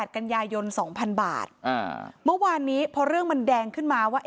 กันยายน๒๐๐๐บาทเมื่อวานนี้พอเรื่องมันแดงขึ้นมาว่า